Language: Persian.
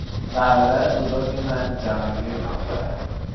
برادر بزرگ من جهانگیر نام دارد.